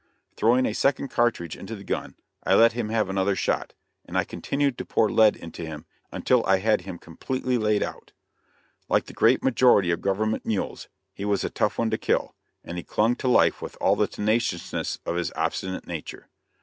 Throwing a second cartridge into the gun, I let him have another shot, and I continued to pour the lead into him until I had him completely laid out. Like the great majority of government mules, he was a tough one to kill, and he clung to life with all the tenaciousness of his obstinate nature.